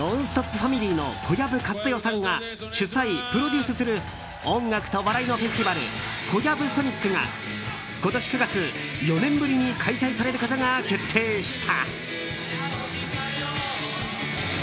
ファミリーの小籔千豊さんが主催・プロデュースする音楽と笑いのフェスティバル「ＫＯＹＡＢＵＳＯＮＩＣ」が今年９月４年ぶりに開催されることが決定した。